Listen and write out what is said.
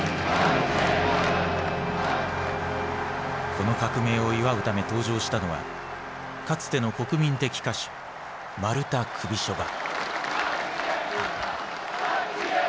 この革命を祝うため登場したのはかつての国民的歌手マルタ・クビショヴァ。